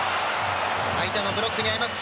相手のブロックに遭います。